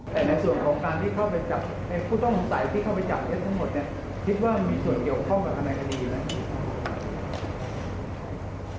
แต่ในส่วนของการที่เข้าไปจับในผู้ต้องสงสัยที่เข้าไปจับเท็จทั้งหมดเนี่ยคิดว่ามีส่วนเกี่ยวข้องกับทนายคดีอยู่ไหม